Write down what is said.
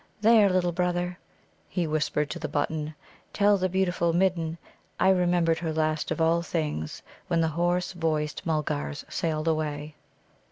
"There, little brother," he whispered to the button, "tell the beautiful Midden I remembered her last of all things when the hoarse voiced Mulgars sailed away!"